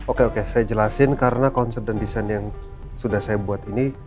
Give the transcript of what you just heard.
oke oke saya jelasin karena konsep dan desain yang sudah saya buat ini